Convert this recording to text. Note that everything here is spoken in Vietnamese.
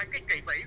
cái kỳ vĩ